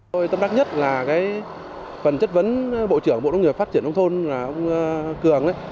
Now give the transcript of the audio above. tôi tâm đắc nhất là phần chất vấn bộ trưởng bộ nông nghiệp phát triển nông thôn là ông cường